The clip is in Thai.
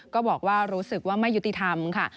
ก็บอกว่ารู้สึกว่าไม่ยุติธรรมค่ะ